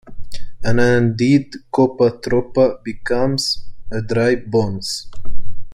An undead Koopa Troopa becomes a Dry Bones.